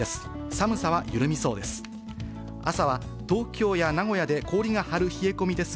寒さは緩みそうです。